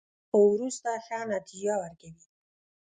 خو وروسته ښه نتیجه ورکوي.